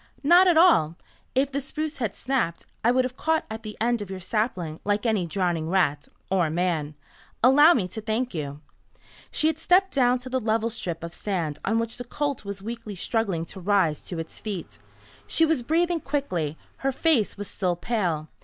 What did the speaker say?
"Not at all. If the spruce had snapped, I would have caught at the end of your sapling like any drowning rat or man. Allow me to thank you." She had stepped down to the level strip of sand on which the colt was weakly struggling to rise to its feet. She was breathing quickly. Her face was still pale.